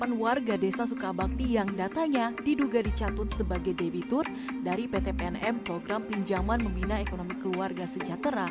ada tiga ratus lima puluh delapan warga desa sukabakti yang datanya diduga dicatut sebagai debitur dari pt pnm program pinjaman membina ekonomi keluarga sejahtera